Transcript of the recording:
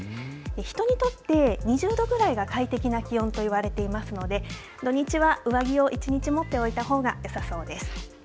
人にとって２０度ぐらいが快適な気温と言われていますので土日は上着を１日持っておいたほうがよさそうです。